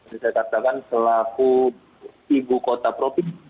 saya katakan selaku ibu kota provinsi